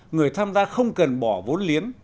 người tham gia không cần bỏ vốn liếm